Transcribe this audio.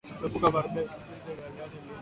Kuepuka kuharibu virutubishi vya viazi lishe